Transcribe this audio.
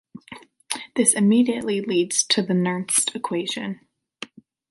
This immediately leads to the Nernst Equation.